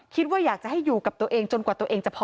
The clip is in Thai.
คิดว่าอยากจะให้อยู่กับตัวเองจนกว่าตัวเองจะพอ